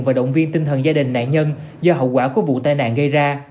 và động viên tinh thần gia đình nạn nhân do hậu quả của vụ tai nạn gây ra